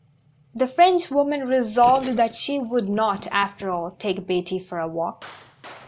The Frenchwoman resolved that she would not, after all, take Beatty for a walk.